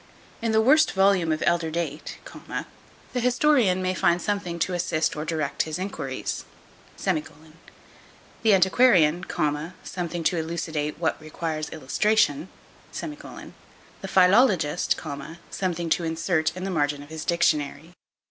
In the worst volume of elder date, the historian may find something to assist or direct his enquiries; the antiquarian, something to elucidate what requires illustration; the philologist, something to insert in the margin of his dictionary.